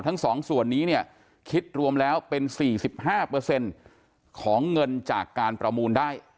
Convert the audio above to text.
ทั้ง๒ส่วนนี้เนี่ยคิดรวมแล้วเป็น๔๕ของเงินจากการประมูลได้